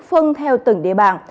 phân theo từng địa bàn